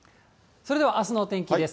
それではあすの天気です。